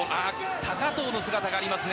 高藤の姿がありますね。